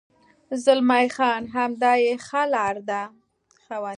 زلمی خان: همدا یې ښه لار ده.